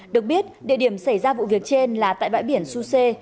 được biết địa điểm xảy ra vụ việc trên là tại bãi biển susse